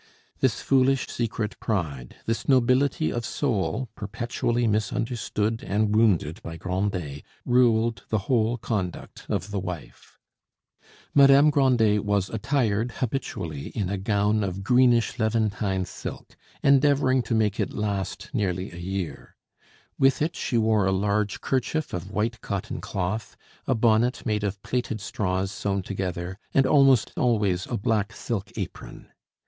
This foolish secret pride, this nobility of soul perpetually misunderstood and wounded by Grandet, ruled the whole conduct of the wife. Madame Grandet was attired habitually in a gown of greenish levantine silk, endeavoring to make it last nearly a year; with it she wore a large kerchief of white cotton cloth, a bonnet made of plaited straws sewn together, and almost always a black silk apron.